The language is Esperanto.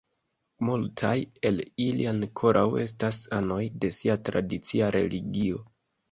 Multaj el ili ankoraŭ estas anoj de sia tradicia religio.